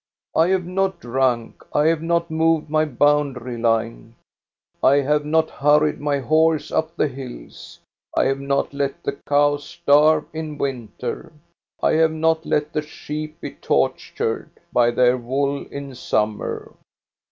I have not drunk, I have not moved my boundary line. I liave not hurried my horse up the hills. I have not let the cows starve in winter. I have not let the sheep be tortured by their wool in summer."